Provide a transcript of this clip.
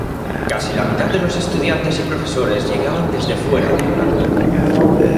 Casi la mitad de los estudiantes y profesores llegaban desde fuera de Holanda.